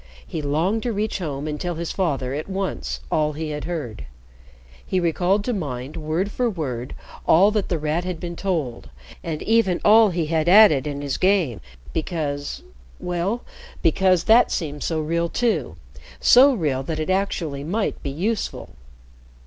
He longed to reach home and tell his father, at once, all he had heard. He recalled to mind, word for word, all that The Rat had been told, and even all he had added in his game, because well, because that seemed so real too, so real that it actually might be useful.